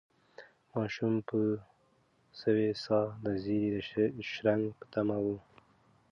ماشوم په سوې ساه د زېري د شرنګ په تمه و.